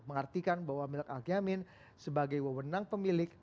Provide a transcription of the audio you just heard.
mengartikan bahwa milk al yamin sebagai wawenang pemilik